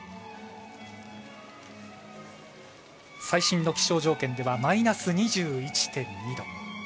最新の気象条件ではマイナス２１．２度。